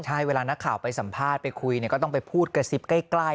ถ้าข่าวไปสัมภาษณ์ไปคุยเนี่ยก็ต้องไปพูดกระซิบใกล้อ่ะ